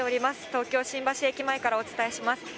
東京・新橋駅前からお伝えします。